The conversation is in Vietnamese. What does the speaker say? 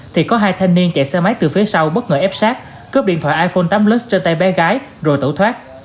thì có hai thanh niên chạy xe máy từ phía sau bất ngờ ép sát cướp điện thoại iphone tám lit trên tay bé gái rồi tẩu thoát